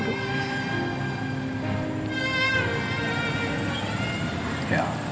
aku kembali mau tinggal